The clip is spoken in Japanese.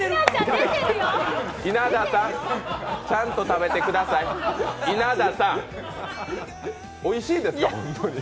稲田さん、ちゃんと食べてくださいおいしんですか？